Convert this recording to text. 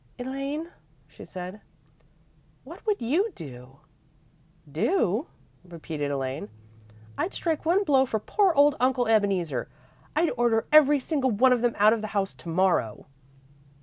"Elaine," she said, "what would you do?" "Do?" repeated Elaine. "I'd strike one blow for poor old Uncle Ebeneezer! I'd order every single one of them out of the house to morrow!"